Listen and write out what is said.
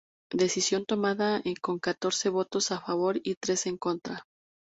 Decisión tomada con catorce votos a favor y tres en contra.